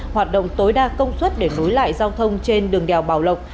hoạt động tối đa công suất để nối lại giao thông trên đường đèo bảo lộc